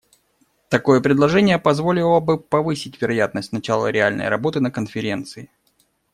Такое предложение позволило бы повысить вероятность начала реальной работы на Конференции.